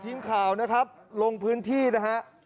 ทีมข่าวนะครับลงพื้นที่นะฮะ